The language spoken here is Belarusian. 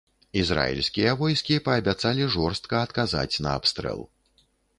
Ізраільскія войскі паабяцалі жорстка адказаць на абстрэл.